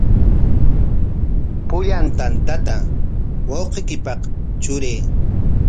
Pullan tantata wawqiykipaq truray.